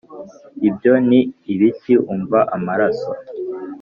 ibyo ni ibiki Umva Amaraso